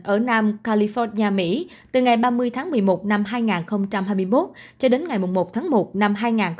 ở nam california mỹ từ ngày ba mươi tháng một mươi một năm hai nghìn hai mươi một cho đến ngày một tháng một năm hai nghìn hai mươi ba